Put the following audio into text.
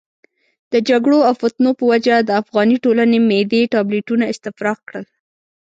د جګړو او فتنو په وجه د افغاني ټولنې معدې ټابلیتونه استفراق کړل.